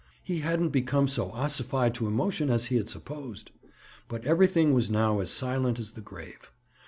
He hadn't become so ossified to emotion as he had supposed. But everything was now as silent as the grave.